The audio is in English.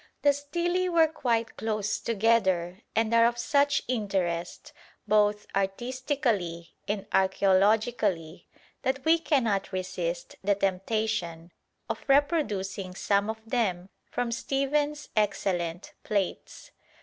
The stelae were quite close together and are of such interest both artistically and archæeologically that we cannot resist the temptation of reproducing some of them from Stephens's excellent plates.